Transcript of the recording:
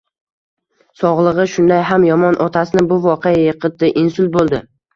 Sog`lig`i shunday ham yomon otasini bu voqea yiqitdi insult bo`ldi